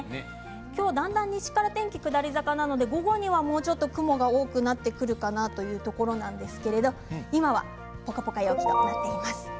今日、西から天気が下り坂なので午後にはもうちょっと雲が多くなってくるかなというところなんですがぽかぽか陽気となっています。